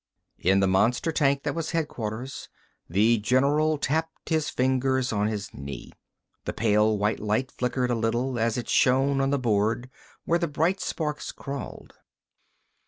In the monster tank that was headquarters the general tapped his fingers on his knees. The pale white light flickered a little as it shone on the board where the bright sparks crawled.